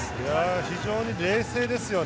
非常に冷静ですよね。